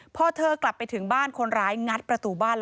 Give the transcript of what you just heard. พอเธอกลับไปถึงบ้านคนร้ายงัดประตูบ้านแล้ว